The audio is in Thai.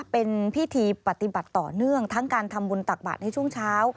เป็นพิธีปฏิบัติต่อเนื่องทั้งการทำบุญตักบาทในช่วงเช้า